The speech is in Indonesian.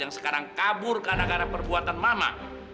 yang sekarang kabur karena karena perbuatan mama